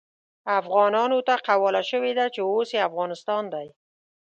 افغانانو ته قواله شوې ده چې اوس يې افغانستان دی.